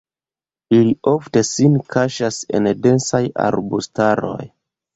Ili ofte sin kaŝas en densaj arbustaroj.